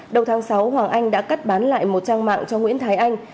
đầu tháng sáu hoàng anh đã cắt bán lại một trang mạng cho nguyễn thái anh